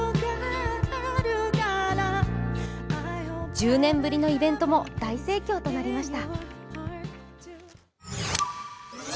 １０年ぶりのイベントも大盛況となりました。